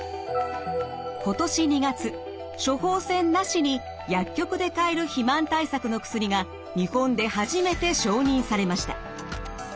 今年２月処方箋なしに薬局で買える肥満対策の薬が日本で初めて承認されました。